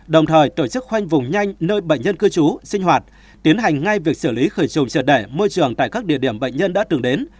đồng thời tổ chức khoanh vùng nhanh nơi bệnh nhân cư trú sinh hoạt tiến hành ngay việc xử lý khởi trùng triệt đẻ môi trường tại các địa điểm bệnh nhân đã từng đến